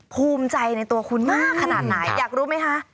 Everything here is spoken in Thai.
ภูมิใจในตัวคุณมากขนาดไหนอยากรู้ไหมคะ